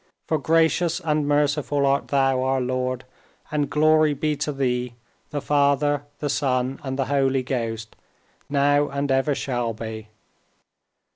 For gracious and merciful art Thou, our Lord, and glory be to Thee, the Father, the Son, and the Holy Ghost, now and ever shall be."